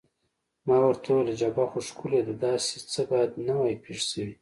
ما ورته وویل: جبهه خو ښکلې ده، داسې څه باید نه وای پېښ شوي.